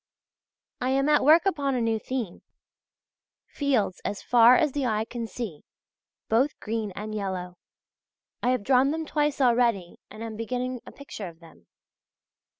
I am at work upon a new theme: fields as far as the eye can see, both green and yellow. I have drawn them twice already and am beginning a picture of them.